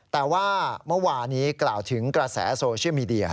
แต่ว่าเมื่อวานี้กล่าวถึงกระแสโซเชียลมีเดีย